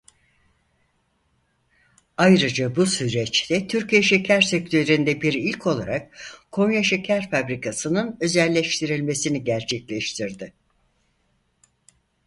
Ayrıca bu süreçte Türkiye şeker sektöründe bir ilk olarak Konya Şeker Fabrikası'nın özelleştirilmesini gerçekleştirdi.